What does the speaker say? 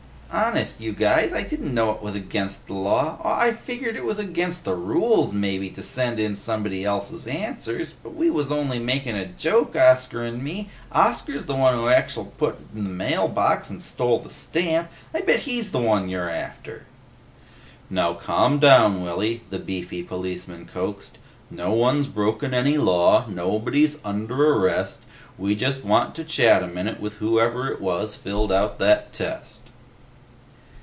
"Honest, you guys. I didn't know it was against the law. Aw, I figgered it was against the rules mebbe to send in somebody else's answers, but we wuz only makin' a joke, Oscar 'n' me. Oscar's the one who actual put it in the mailbox and stole the stamp! I bet he's the one you're after!" "Now calm down, Willy," the beefy policeman coaxed. "No one's broken any law. Nobody's under arrest. We just want to chat a minute with whoever it was filled out that test."